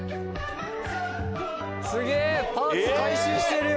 すげぇ！パーツ回収してるよ！